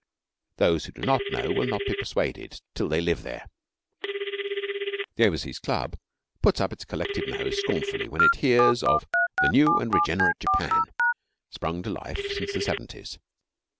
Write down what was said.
Those who do not know will not be persuaded till they have lived there. The Overseas Club puts up its collective nose scornfully when it hears of the New and Regenerate Japan sprung to life since the 'seventies.